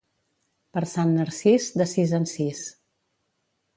Per Sant Narcís, de sis en sis.